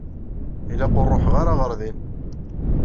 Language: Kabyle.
Ilaq ur ruḥeɣ ara ɣer din.